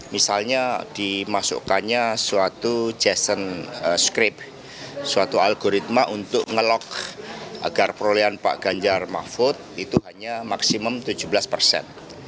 misalnya dimasukkannya suatu jason scrip suatu algoritma untuk ngelok agar perolehan pak ganjar mahfud itu hanya maksimum tujuh belas persen